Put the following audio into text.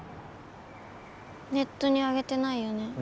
ネットにあげてないよね。